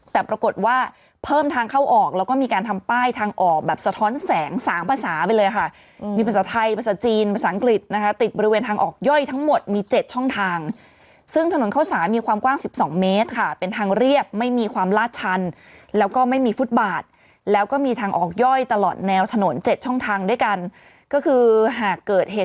แต่ปรากฏว่าเพิ่มทางเข้าออกแล้วก็มีการทำป้ายทางออกแบบสะท้อนแสงสามภาษาไปเลยค่ะมีภาษาไทยภาษาจีนภาษาอังกฤษนะคะติดบริเวณทางออกย่อยทั้งหมดมี๗ช่องทางซึ่งถนนเข้าสารมีความกว้าง๑๒เมตรค่ะเป็นทางเรียบไม่มีความลาดชันแล้วก็ไม่มีฟุตบาทแล้วก็มีทางออกย่อยตลอดแนวถนน๗ช่องทางด้วยกันก็คือหากเกิดเหตุ